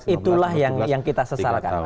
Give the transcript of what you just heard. itulah yang kita sesalakan